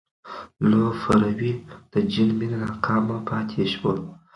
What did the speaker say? لفروی د جین مینه ناکام پاتې شوه.